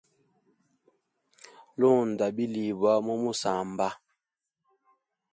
Lunda bilibwa mu musamba.